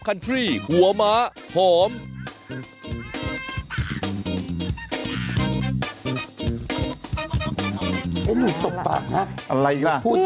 เอ๊ะหนูตกปากนะพูดเยอะอะไรอีกล่ะ